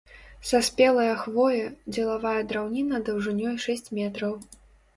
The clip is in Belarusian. Саспелая хвоя, дзелавая драўніна даўжынёй шэсць метраў.